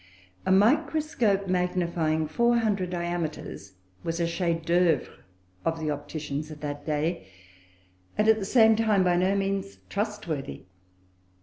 A microscope magnifying 400 diameters was a chef d'oeuvre of the opticians of that day; and, at the same time, by no means trustworthy.